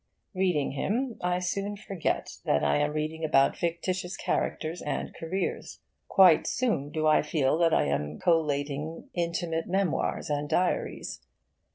Reading him, I soon forget that I am reading about fictitious characters and careers; quite soon do I feel that I am collating intimate memoirs and diaries.